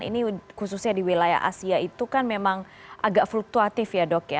ini khususnya di wilayah asia itu kan memang agak fluktuatif ya dok ya